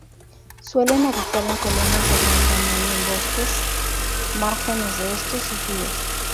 Suelen habitar en colonias de gran tamaño en bosques, márgenes de estos y ríos.